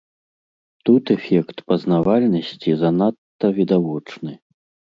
Тут эфект пазнавальнасці занадта відавочны.